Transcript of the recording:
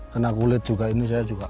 kena kulit juga ini saya juga